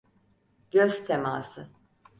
Göz teması.